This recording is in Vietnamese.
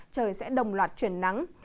trời sẽ đồng loạt chuyển nắng